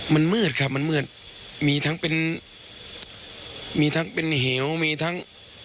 มันมืดครับมันมืดมีทั้งเป็นมีทั้งเป็นเหวมีทั้ง